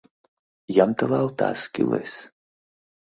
Ямтылалтас кӱлес...